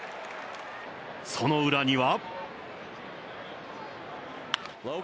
その裏には。